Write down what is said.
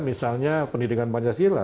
misalnya pendidikan pancasila